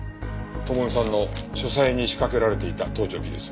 智美さんの書斎に仕掛けられていた盗聴器です。